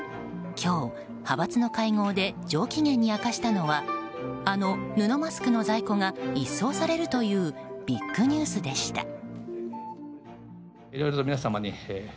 今日、派閥の会合で上機嫌に明かしたのはあの布マスクの在庫が一掃されるというビッグニュースでした。